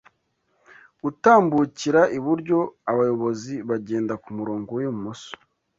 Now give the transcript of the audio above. gutambukira iburyo abayobozi bagenda ku murongo w'ibumoso